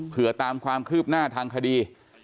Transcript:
เพื่อตามความคืบหน้าทางคดี